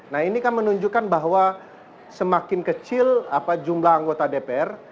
nah ini kan menunjukkan bahwa semakin kecil jumlah anggota dpr